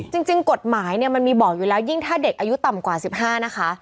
จริงกฎหมายเนี่ยมันมีบอกอยู่แล้วยิ่งถ้าเด็กอายุต่ำกว่า๑๕นะคะ